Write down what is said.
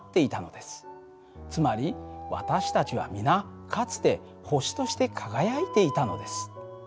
つまり私たちは皆かつて星として輝いていたのです。